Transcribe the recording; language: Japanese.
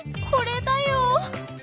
これだよ！